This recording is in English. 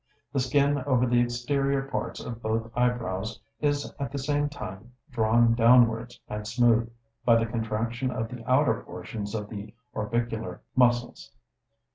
The skin over the exterior parts of both eyebrows is at the same time drawn downwards and smooth, by the contraction of the outer portions of the orbicular muscles.